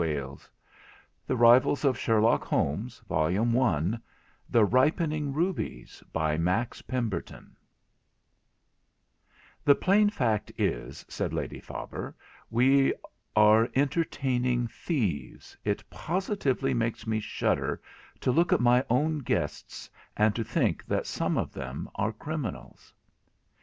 au GO TO Project Gutenberg of Australia HOME PAGE The Ripening Rubies by Max Pemberton 'The plain fact is,' said Lady Faber, 'we are entertaining thieves. It positively makes me shudder to look at my own guests, and to think that some of them are criminals.'